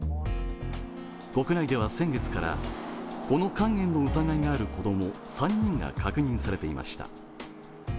国内では先月からこの肝炎の疑いのある子供３人が確認されていました。